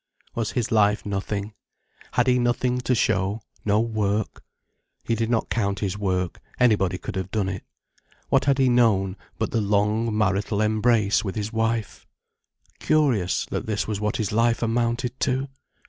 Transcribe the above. Was his life nothing? Had he nothing to show, no work? He did not count his work, anybody could have done it. What had he known, but the long, marital embrace with his wife! Curious, that this was what his life amounted to!